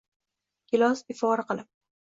gilos ifori qilib